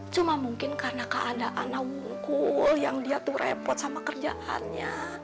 cuma mungkin karena keadaan awungkul yang dia repot sama kerjaannya